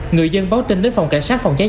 người dân báo tin đến phòng cảnh sát phòng cháy